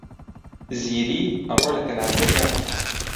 زیری ئەمڕۆ لە کەنار دەریا بوو.